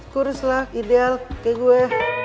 kurus lah ideal kayak gue